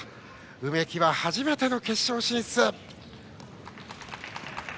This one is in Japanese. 梅木は初めての決勝進出。